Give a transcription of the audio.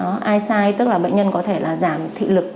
eye sight tức là bệnh nhân có thể là giảm thị lực